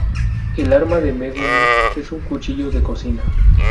El arma de Megumi es un cuchillo de cocina.